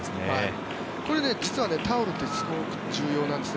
これ、実はタオルってすごく重要なんですね。